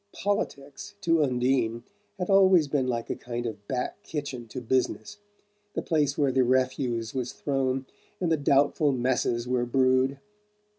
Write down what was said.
"Politics," to Undine, had always been like a kind of back kitchen to business the place where the refuse was thrown and the doubtful messes were brewed.